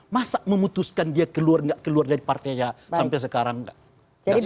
masa memutuskan dia keluar nggak keluar dari partainya sampai sekarang nggak selesai